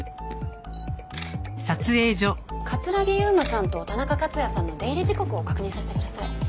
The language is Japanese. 城悠真さんと田中克也さんの出入り時刻を確認させてください。